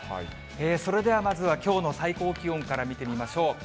それではまずはきょうの最高気温から見てみましょう。